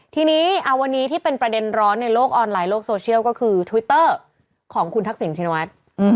ตอนนี้ที่เป็นประเด็นร้อนในโลกออนไลน์ก็คือทวิตเตอร์คุณทักษิณวัตร